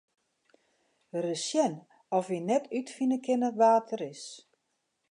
Ris sjen oft wy net útfine kinne wa't er is.